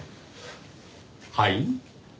はい？